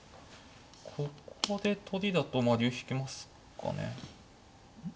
ここで取りだと竜引きますかね。